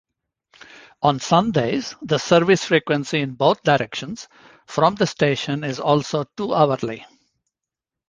On Sundays the service frequency in both directions from the station is also two-hourly.